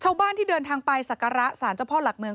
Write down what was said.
ชาวบ้านที่เดินทางไปศักระสารเจ้าพ่อหลักเมือง